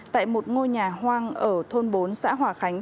tại một ngôi nhà hoang ở thôn bốn xã hòa khánh